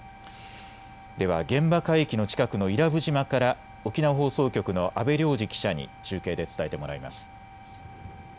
では現場海域の近くの伊良部島から沖縄放送局の阿部良二記者に中継で伝えてもらいます。